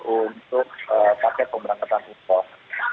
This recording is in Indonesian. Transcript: untuk paket pemberangkatan usaha